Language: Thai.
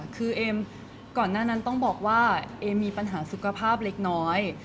คือเอมก่อนหน้านั้นต้องบอกว่าเอมมีปัญหาสุขภาพเล็กน้อย